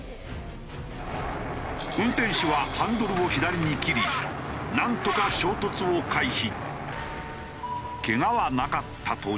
運転手はハンドルを左に切りなんとか衝突を回避。